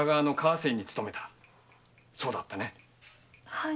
はい。